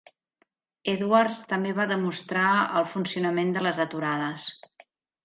Edwards també va demostrar el funcionament de les aturades.